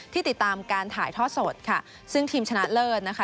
ติดตามการถ่ายทอดสดค่ะซึ่งทีมชนะเลิศนะคะ